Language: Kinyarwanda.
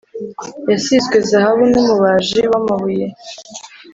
yasizwe zahabu n’umubaji w’amabuye;